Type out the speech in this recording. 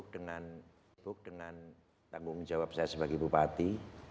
saya sepuk dengan tanggung jawab saya sebagai bupati